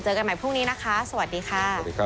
กันใหม่พรุ่งนี้นะคะสวัสดีค่ะ